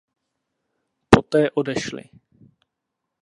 Poté odešli.